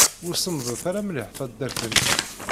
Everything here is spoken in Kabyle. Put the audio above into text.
Ur semmḍet ara mliḥ taddart-nni.